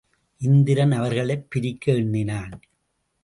இந்திரன் அவர்களைப் பிரிக்க எண்ணினான்.